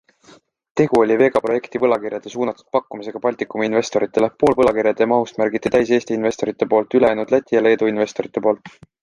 Tegu oli Vega projekti võlakirjade suunatud pakkumisega Baltikumi investoritele - pool võlakirjade mahust märgiti täis Eesti investorite poolt, ülejäänud Läti ja Leedu investorite poolt.